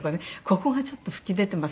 「ここがちょっと吹き出てます